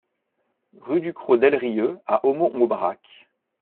Rue du Cros Del Rieu à Aumont-Aubrac